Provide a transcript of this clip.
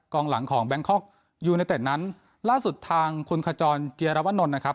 หลังของแบงคอกยูเนเต็ดนั้นล่าสุดทางคุณขจรเจียรวนลนะครับ